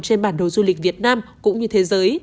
trên bản đồ du lịch việt nam cũng như thế giới